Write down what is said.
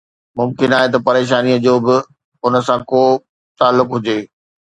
ممڪن آهي ته پريشانيءَ جو به ان سان ڪو تعلق هجي